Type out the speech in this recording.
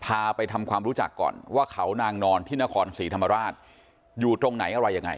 ไปทำความรู้จักก่อนว่าเขานางนอนที่นครศรีธรรมราชอยู่ตรงไหนอะไรยังไง